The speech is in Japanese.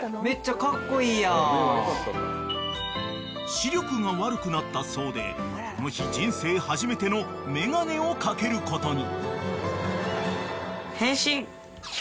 ［視力が悪くなったそうでこの日人生初めての眼鏡を掛けることに］